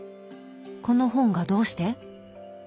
この本がどうして？